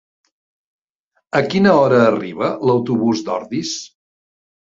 A quina hora arriba l'autobús d'Ordis?